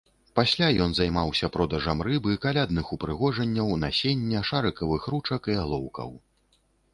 Пасля ён займаўся продажам рыбы, калядных упрыгожанняў, насення, шарыкавых ручак і алоўкаў.